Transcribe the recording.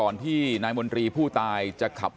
สวัสดีครับ